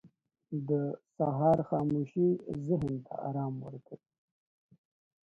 • د سهار خاموشي ذهن ته آرام ورکوي.